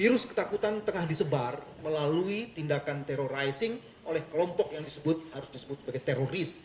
jadi virus ketakutan telah disebar melalui tindakan terrorizing oleh kelompok yang disebut harus disebut sebagai teroris